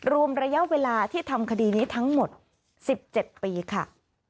รวมระยะเวลาที่ทำคดีนี้ทั้งหมด๑๗ปีค่ะ